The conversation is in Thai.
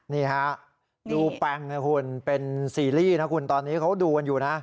นี่ฮะดูแปลงนะคุณเป็นซีรีส์นะคุณตอนนี้เขาดูกันอยู่นะ